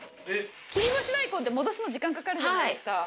切り干し大根って戻すの時間かかるじゃないですか。